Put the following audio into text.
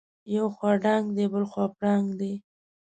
یو خوا ډاګ دی بلخوا پړانګ دی.